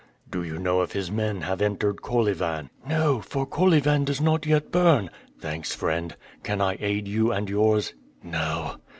"Do you know if his men have entered Kolyvan?" "No; for Kolyvan does not yet burn." "Thanks, friend. Can I aid you and yours?" "No."